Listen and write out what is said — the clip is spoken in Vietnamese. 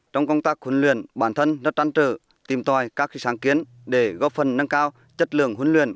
trong công tác huấn luyện bản thân rất trăn trở tìm tòi các sáng kiến để góp phần nâng cao chất lượng huấn luyện